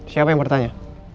siapa yang bertanya